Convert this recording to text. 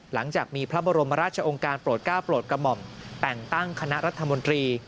หลังจากมีพระบรมราชองค์การโปรดก้าวโปรดกระหม่อมแต่งตั้งคณะรัฐมนตรี